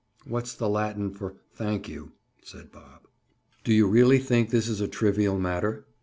"What's the Latin for 'Thank you'?" said Bob. "Do you really think this is a trivial matter?"